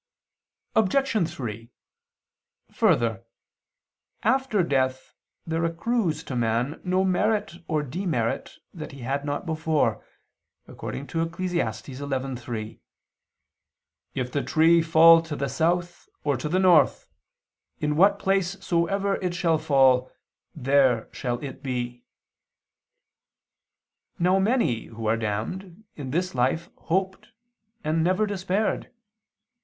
Obj. 3: Further, after death there accrues to man no merit or demerit that he had not before, according to Eccles. 11:3, "If the tree fall to the south, or to the north, in what place soever it shall fall, there shall it be." Now many who are damned, in this life hoped and never despaired.